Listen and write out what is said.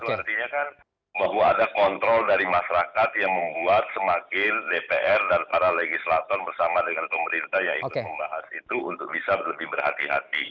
artinya kan bahwa ada kontrol dari masyarakat yang membuat semakin dpr dan para legislator bersama dengan pemerintah yang ikut membahas itu untuk bisa lebih berhati hati